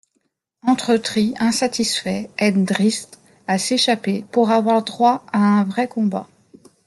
Entretri, insatisfait, aide Drizzt à s'échapper, pour avoir droit à un vrai combat.